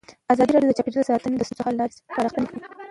ازادي راډیو د چاپیریال ساتنه د ستونزو حل لارې سپارښتنې کړي.